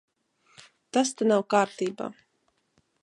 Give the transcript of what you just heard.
Tas te nav kārtībā.